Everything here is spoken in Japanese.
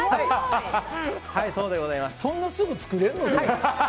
そんなすぐ作れるの？